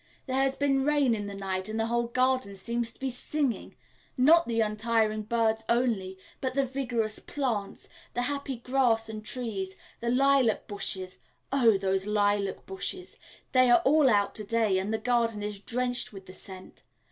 There has been rain in the night, and the whole garden seems to be singing not the untiring birds only, but the vigorous plants, the happy grass and trees, the lilac bushes oh, those lilac bushes! They are all out to day, and the garden is drenched with the scent.